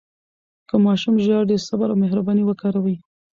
که ماشوم ژاړي، صبر او مهرباني وکاروئ.